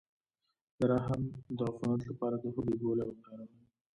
د رحم د عفونت لپاره د هوږې ګولۍ وکاروئ